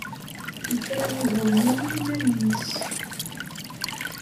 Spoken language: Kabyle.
Yefra ugur-nni i yiman-nnes.